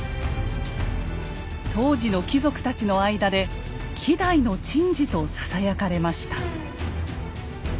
当時の貴族たちの間で「希代の珍事」とささやかれました。